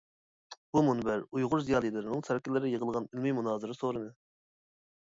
بۇ مۇنبەر ئۇيغۇر زىيالىيلىرىنىڭ سەركىلىرى يىغىلغان ئىلمىي مۇنازىرە سورۇنى.